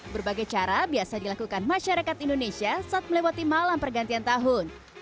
berbagai cara biasa dilakukan masyarakat indonesia saat melewati malam pergantian tahun